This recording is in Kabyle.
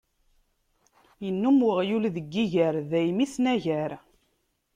Innum uɣyul deg yiger, dayem isnagar.